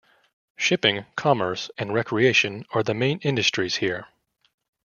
Shipping, commerce, and recreation are the main industries here.